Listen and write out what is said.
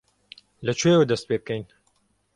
لەکوێوە دەست پێ بکەین؟